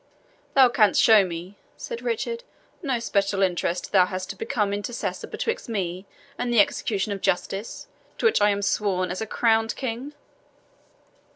"Thou canst show me," said Richard, "no special interest thou hast to become intercessor betwixt me and the execution of justice, to which I am sworn as a crowned king."